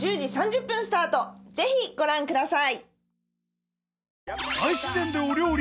ぜひご覧ください！